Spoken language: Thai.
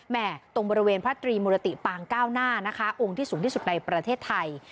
ตรงบริเวณพระตรีมุรติปางเก้าหน้านะคะองค์ที่สูงที่สุดในประเทศไทย